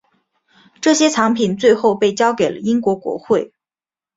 这些藏品最后被交给了英国国会。